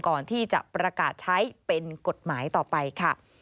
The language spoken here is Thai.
ก่อนที่จะประกาศใช้เป็นกฎหมายต่อไปค่ะ